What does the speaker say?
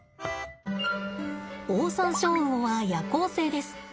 オオサンショウウオは夜行性です。